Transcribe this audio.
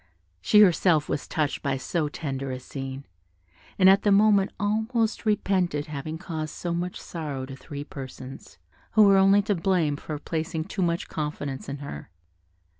She herself was touched by so tender a scene, and at the moment almost repented having caused so much sorrow to three persons, who were only to blame for placing too much confidence in her.